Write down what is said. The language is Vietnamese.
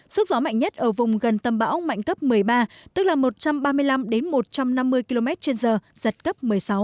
sức gió mạnh nhất ở vùng gần tâm bão mạnh cấp một mươi ba tức là một trăm ba mươi năm một trăm năm mươi km trên giờ giật cấp một mươi sáu